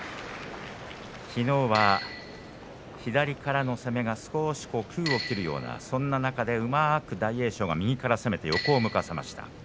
きのうは左からの攻めが少し空を切るようなそんな中でうまく大栄翔が右から攻めて横を向かせました。